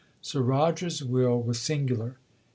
Sir Roger's will was singular.